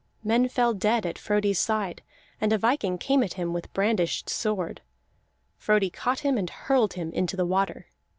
Men fell dead at Frodi's side, and a viking came at him with brandished sword. Frodi caught him and hurled him into the water.